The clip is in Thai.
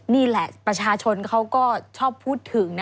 นี่แหละประชาชนเขาก็ชอบพูดถึง